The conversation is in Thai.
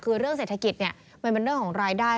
คือเรื่องเศรษฐกิจเนี่ยมันเป็นเรื่องของรายได้